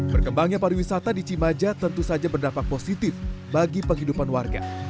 berkembangnya pariwisata di cimaja tentu saja berdampak positif bagi penghidupan warga